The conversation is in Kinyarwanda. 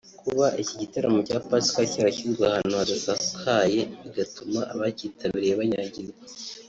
Kuba iki gitaramo cya Pasika cyarashyizwe ahantu hadasakaye bigatuma abakitabiriye banyagirwa